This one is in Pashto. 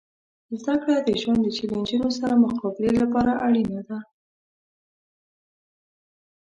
زدهکړه د ژوند د چیلنجونو سره مقابلې لپاره اړینه ده.